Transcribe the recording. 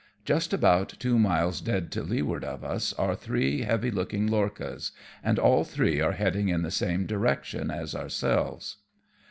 Just about two miles dead to leeward' of us are three heavy looking lorchas, and all three are heading in the same direction as ourselves.